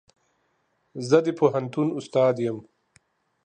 زه د پوهنتون استاد يم.